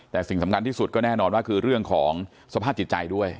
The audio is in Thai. แต่สิ่งสำคัญที่สุดก็แน่นอนว่าคือเรื่องของสภาพจิตใจด้วย